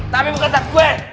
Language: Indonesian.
tapi bukan tas gue